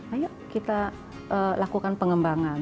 ayo kita lakukan pengembangan